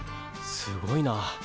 すごいな。